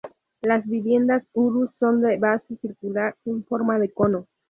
Las viviendas urus son de base circular en forma de cono.